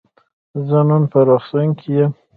زه نن په روغتون کی یم.